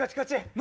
何？